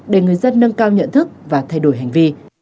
để người dân nâng cao nhận thức và thay đổi hành vi